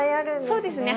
そうですね